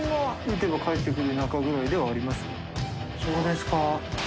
そうですか。